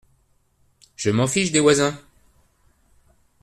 Je m'en fiche, des voisins …